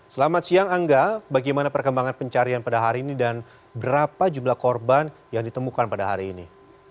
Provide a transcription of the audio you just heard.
selamat siang angga bagaimana perkembangan pencarian pada hari ini dan berapa jumlah korban yang ditemukan pada hari ini